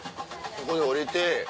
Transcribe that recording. ここで降りて。